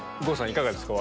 いかがですか？